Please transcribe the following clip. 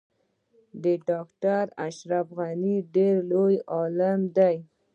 ډاکټر اشرف غنی ډیر لوی عالم دی